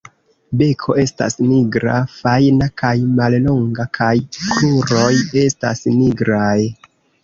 Beko estas nigra, fajna kaj mallonga kaj kruroj estas nigraj.